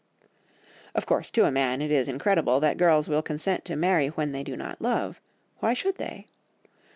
Of course to a man it is incredible that girls will consent to marry when they do not love; why should they?